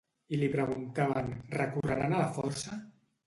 I li preguntaven: ‘Recorreran a la força?’